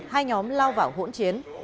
hai nhóm lao vào hỗn chiến